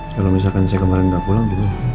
kalau misalkan saya kemarin nggak pulang gitu